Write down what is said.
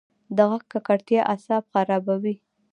د غږ ککړتیا اعصاب خرابوي.